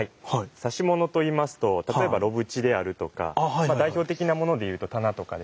指物といいますと例えば炉縁であるとか代表的なものでいうと棚とかですね